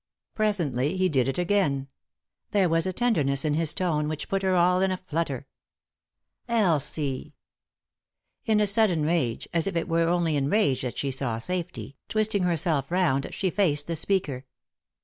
Presently he did it again ; there was a tenderness in his tone which put her all in a flutter. "Elsie I" In a sudden rage, as if it were only in rage that she saw safety, twisting herself round she faced the speaker.